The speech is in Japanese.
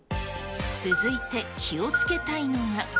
続いて気をつけたいのが。